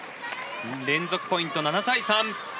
連続ポイント７対３。